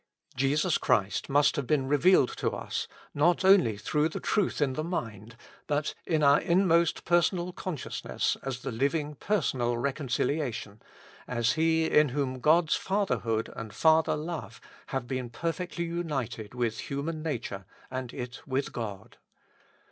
Jesus Christ must have been revealed to us, not only through the truth in the mind, but in our inmost personal consciousness as the living personal reconciliation, as He in whom God's Fatherhood and Father love have been per fectly united with human nature and it with God.